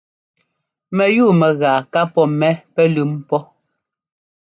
Mɛyúu mɛgaa ká pɔ́ mɛ pɛlʉ́m pɔ́.